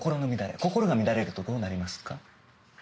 心が乱れるとどうなりますか？